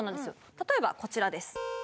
例えばこちらです